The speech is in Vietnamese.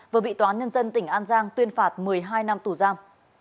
vừa bị tòa án nhân dân tỉnh an giang tuyên phạt một mươi hai năm tù giam